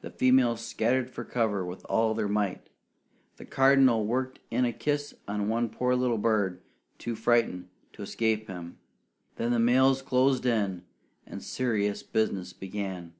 The females scattered for cover with all their might. The Cardinal worked in a kiss on one poor little bird, too frightened to escape him; then the males closed in, and serious business began.